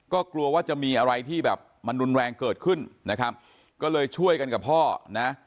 ก็กลัวว่าจะมีอะไรที่แบบมันรุนแรงเกิดขึ้นนะครับก็เลยช่วยกันกับพ่อนะ